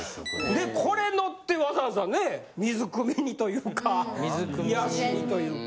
でこれ乗ってわざわざね水汲みにというか癒やしにというか。